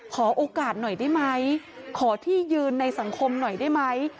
ขอโอกาสหน่อยได้ไหมขอที่ยืนในสังคมหน่อยได้ไหม